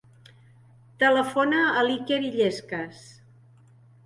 Telefona a l'Iker Illescas.